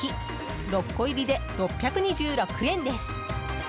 ６個入りで６２６円です。